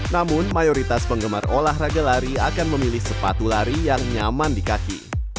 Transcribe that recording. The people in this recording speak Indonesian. namun mayoritas penggemar olahraga lari akan memilih sepatu lari yang nyaman di kaki